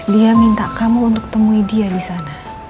dia minta kamu untuk temui dia disana